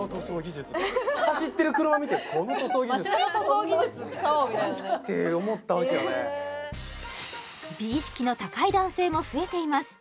走ってる車見てって思ったわけよね美意識の高い男性も増えています